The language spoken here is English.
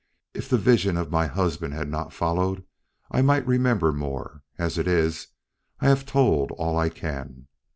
If the vision of my husband had not followed, I might remember more. As it is, I have told all I can.